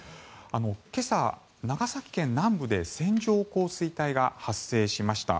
今朝、長崎県南部で線状降水帯が発生しました。